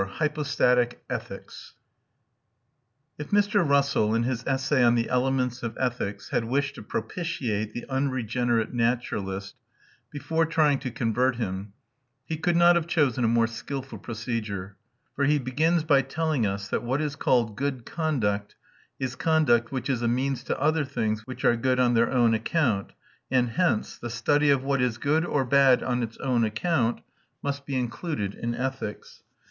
HYPOSTATIC ETHICS If Mr. Russell, in his essay on "The Elements of Ethics," had wished to propitiate the unregenerate naturalist, before trying to convert him, he could not have chosen a more skilful procedure; for he begins by telling us that "what is called good conduct is conduct which is a means to other things which are good on their own account; and hence ... the study of what is good or bad on its own account must be included in ethics."